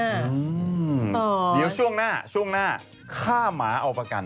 แล้วช่วงหน้าค่าหมาเอาประกัน